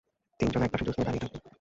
তৃতীয় জন এক পাশে জুস নিয়ে দাঁড়িয়ে থাকবে।